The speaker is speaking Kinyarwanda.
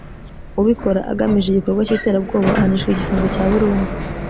ubikora agamije igikorwa cy’iterabwoba ahanishwa igifungo cya burundu